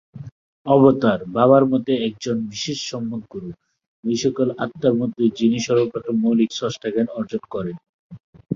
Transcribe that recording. অবতার, বাবার মতে, একজন বিশেষ সম্যক গুরু, ঐ সকল আত্মার মধ্যে যিনি সর্বপ্রথম মৌলিক স্রষ্টা-জ্ঞান অর্জন করেন।